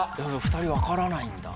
２人分からないんだ。